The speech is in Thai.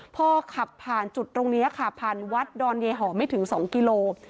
พอขับผ่านจุดตรงนี้ค่ะผ่านวัดดอนใยหอมไม่ถึง๒กิโล